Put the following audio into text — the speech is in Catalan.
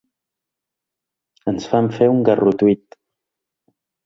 Ens fan fer un ‘garrotuit’.